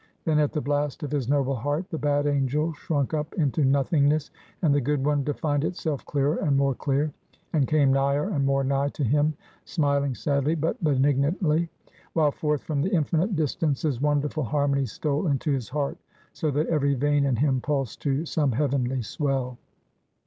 Then, at the blast of his noble heart, the bad angel shrunk up into nothingness; and the good one defined itself clearer and more clear, and came nigher and more nigh to him, smiling sadly but benignantly; while forth from the infinite distances wonderful harmonies stole into his heart; so that every vein in him pulsed to some heavenly swell.